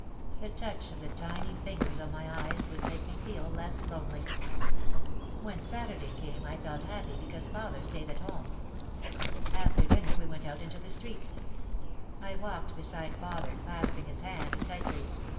The touch of the tiny fingers on my eyes would make me feel less lonely. When Saturday came I felt happy because father 78 OUT OF THE SHADOW stayed at home. After dinner we went out into the street. I walked beside father, clasping his hand tightly.